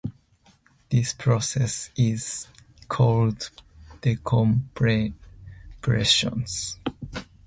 This process is called decompression.